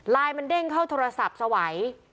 มันเด้งเข้าโทรศัพท์สวัย